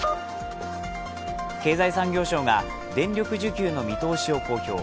経産省が電力需給の見通しを公表。